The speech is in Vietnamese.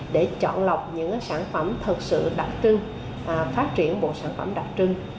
để chọn lọc những sản phẩm thực sự đặc trưng phát triển một sản phẩm đặc trưng